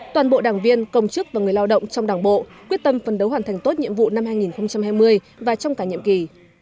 toàn bộ đảng viên công chức và người lao động trong đảng bộ quyết tâm phân đấu hoàn thành tốt nhiệm vụ năm hai nghìn hai mươi và trong cả nhiệm kỳ